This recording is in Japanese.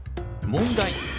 問題。